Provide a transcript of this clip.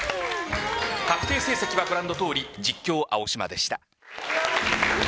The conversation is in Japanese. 確定成績はご覧のとおり実況は青嶋達也でした。